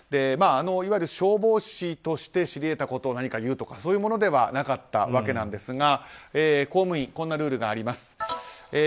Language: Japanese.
いわゆる消防士として知り得たことを何か言うとか、そういうものではなかったわけですが公務員、こんなルールがあります。